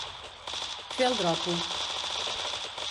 Fer el dropo.